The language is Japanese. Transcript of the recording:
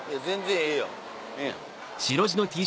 ええやん。